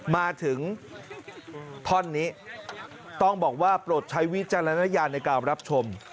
มาถึงท่อนนี้ต้องบอกว่าโปรดใช้วิจารณญาณในการรับชม